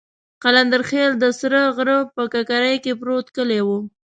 قلندرخېل د سره غره په ککرۍ کې پروت کلی وو.